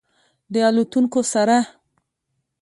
د الوتونکو سره